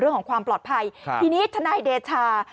เรื่องของความปลอดภัยทีนี้ทนายเดชา